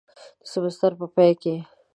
د سیمیستر په پای کې